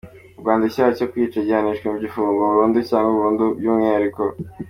Mu Rwanda icyaha cyo kwica gihanishwa igifungo cya burundu cyangwa burundu y’ umwihariko.